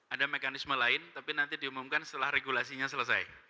ada mekanisme lain tapi nanti diumumkan setelah regulasinya selesai